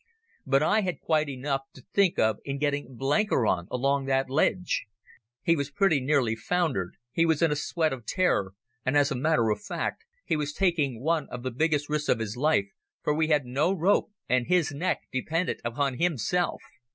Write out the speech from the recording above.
But I had quite enough to think of in getting Blenkiron along that ledge. He was pretty nearly foundered, he was in a sweat of terror, and as a matter of fact he was taking one of the biggest risks of his life, for we had no rope and his neck depended on himself.